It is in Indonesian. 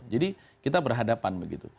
jadi kita berhadapan begitu